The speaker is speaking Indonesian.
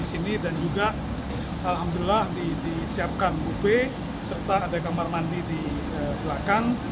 di sini dan juga alhamdulillah disiapkan buffe serta ada kamar mandi di belakang